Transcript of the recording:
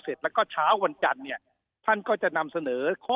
เสร็จแล้วก็เช้าวันจันทร์เนี่ยท่านก็จะนำเสนอข้อ